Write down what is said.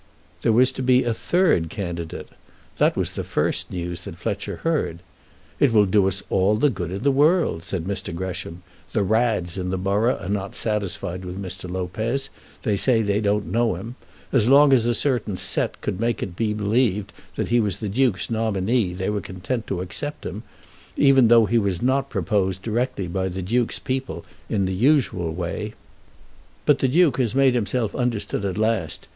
There was to be a third candidate. That was the first news that Fletcher heard. "It will do us all the good in the world," said Mr. Gresham. "The Rads in the borough are not satisfied with Mr. Lopez. They say they don't know him. As long as a certain set could make it be believed that he was the Duke's nominee they were content to accept him; even though he was not proposed directly by the Duke's people in the usual way. But the Duke has made himself understood at last.